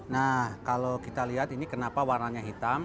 nah kalau kita lihat ini kenapa warnanya hitam